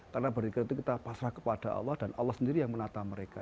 karena berzikir itu kita pasrah kepada allah dan allah sendiri yang menata mereka